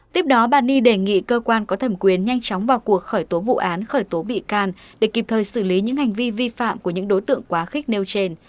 tiếp đó bà ni đề nghị cơ quan có thẩm quyền nhanh chóng vào cuộc khởi tố vụ án khởi tố bị can để kịp thời xử lý những hành vi vi phạm của những đối tượng quá khích nêu trên